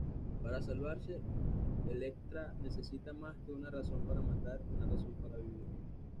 Para salvarse, Elektra necesita más que una razón para matar... una razón para vivir.